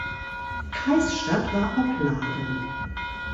Kreisstadt war Opladen.